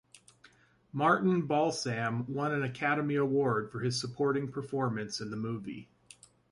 Martin Balsam won an Academy Award for his supporting performance in the movie.